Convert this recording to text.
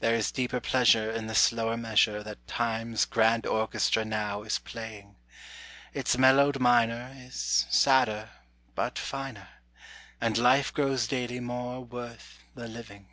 There is deeper pleasure in the slower measure That Time's grand orchestra now is playing. Its mellowed minor is sadder but finer, And life grows daily more worth the living.